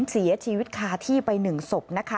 เสียชีวิตคาที่ไป๑ศพนะคะ